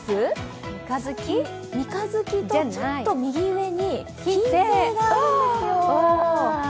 三日月と、ちょっと右上に金星があるんですよ。